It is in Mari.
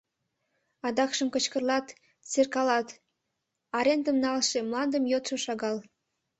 Адакшым кычкырлат, серкалат — арендым налше, мландым йодшо шагал...